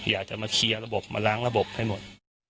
อยากจะมาเคลียร์ระบบมาล้างระบบให้หมด